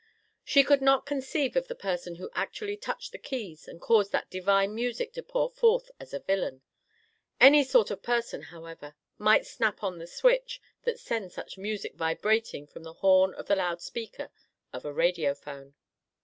She could not conceive of the person who actually touched the keys and caused that divine music to pour forth as a villain. Any sort of person, however, might snap on the switch that sends such music vibrating from the horn of the loud speaker of a radiophone.